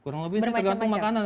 kurang lebih sih tergantung makanan